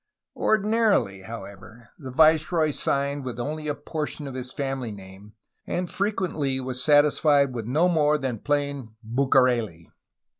Ordinarily, however, the viceroy signed with only a por tion of his family name, and frequently was satisfied with no more than plain ^'Bucareli.